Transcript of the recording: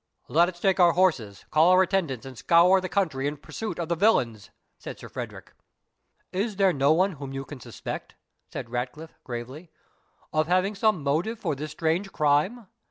"Let us take our horses, call our attendants, and scour the country in pursuit of the villains," said Sir Frederick. "Is there no one whom you can suspect," said Ratcliffe, gravely, "of having some motive for this strange crime?